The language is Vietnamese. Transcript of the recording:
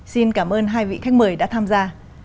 xin cảm ơn hai vị khách mời đã tham gia